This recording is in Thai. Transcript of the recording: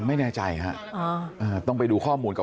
ไม่แน่ใจฮะต้องไปดูข้อมูลก่อน